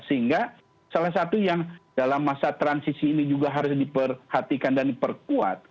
sehingga salah satu yang dalam masa transisi ini juga harus diperhatikan dan diperkuat